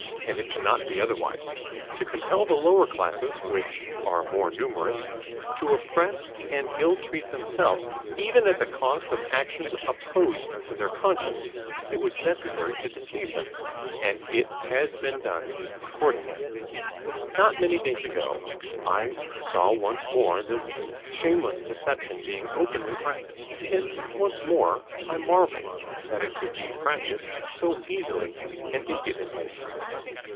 And it cannot be otherwise. To compel the lower classes, which are more numerous, to oppress and ill treat themselves, even at the cost of actions opposed to their conscience, it was necessary to deceive them. And it has been done accordingly. Not many days ago I saw once more this shameless deception being openly practiced, and once more I marveled that it could be practiced so easily and impudently.